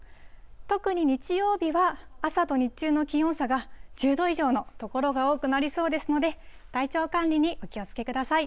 特に日曜日は朝と日中の気温差が１０度以上の所が多くなりそうですので、体調管理にお気をつけください。